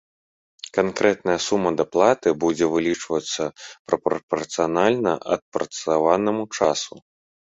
Канкрэтная сума даплаты будзе вылічвацца прапарцыянальна адпрацаванаму часу.